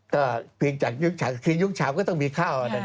ก็เพียงจากยุคฉางคือยุคฉางก็ต้องมีข้าวนะครับ